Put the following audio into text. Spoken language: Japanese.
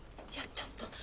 いやちょっと。